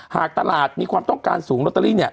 หากตลาดมีความต้องการสูงลอตเตอรี่เนี่ย